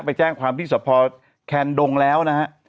ไปแจ้งความวิสัยพอแคนดงแล้วนะฮะ